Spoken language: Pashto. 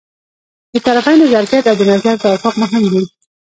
د طرفینو ظرفیت او د نظر توافق مهم دي.